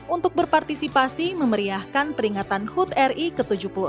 untuk berpartisipasi memeriahkan peringatan hud ri ke tujuh puluh enam